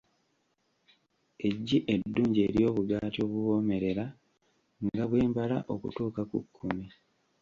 Eggi eddungi ery'obugaati obuwoomerera, nga bwe mbala okutuuka ku kkumi.